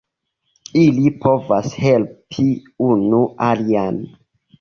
Ili povas helpi unu alian.